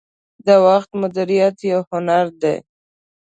• د وخت مدیریت یو هنر دی.